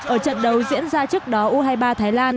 ở trận đấu diễn ra trước đó u hai mươi ba thái lan